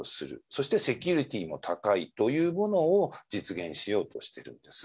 そしてセキュリティーの高いというものを実現しようしているんです。